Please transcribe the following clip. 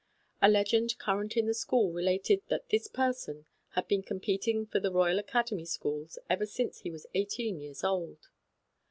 A legend current in the school related that this person had been competing for the Royal Academy Schools ever since he was eighteen years old.